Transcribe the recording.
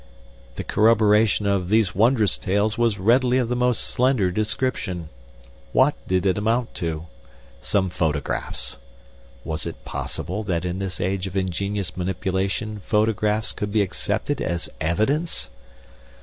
The corroboration of these wondrous tales was really of the most slender description. What did it amount to? Some photographs. {Was it possible that in this age of ingenious manipulation photographs could be accepted as evidence?